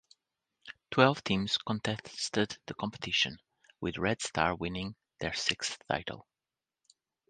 Twelve teams contested the competition, with Red Star winning their sixth title.